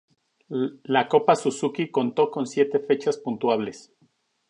La Copa Suzuki contó con siete fechas puntuables.